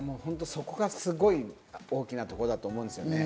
そこが大きなところだと思うんですよね。